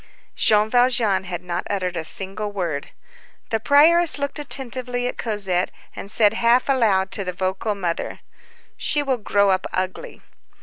Jean Valjean had not uttered a single word. The prioress looked attentively at Cosette, and said half aloud to the vocal mother:— "She will grow up ugly."